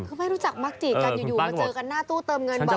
ไม่รู้จักมักจีกกันอยู่แล้วเจอกันหน้าตู้เติมเงิน